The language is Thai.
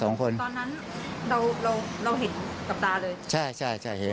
ตอนนั้นเราเห็นกลับตาเลย